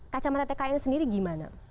kacamata tkn sendiri gimana